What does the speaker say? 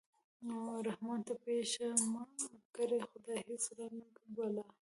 و رحمان ته پېښه مه کړې خدايه هسې رنگ بلا